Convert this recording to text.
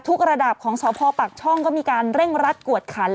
ระดับของสพปักช่องก็มีการเร่งรัดกวดขัน